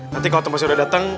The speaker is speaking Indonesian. nanti kalau temen saya udah dateng